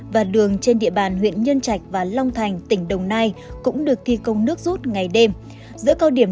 và đường trên địa bàn huyện nhân trạch và long thành tỉnh đồng nai cũng được thi công nước rút ngày đêm